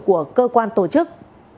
của cơ quan tổ chức